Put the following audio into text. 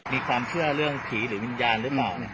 มีความเชื่อเรื่องผีหรือวิญญาณหรือเหมาะ